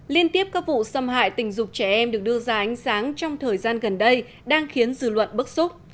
liên tiếp các vụ xâm hại tình dục trẻ em được đưa ra ánh sáng trong thời gian gần đây đang khiến dư luận bức xúc